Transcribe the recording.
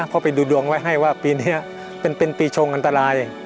เพราะไปดูดวงไว้ให้ว่าปีนี้เป็นปีชงอันตราย